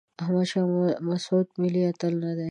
احمد شاه مسعود ملي اتل نه دی.